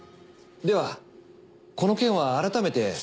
ではこの件は改めて。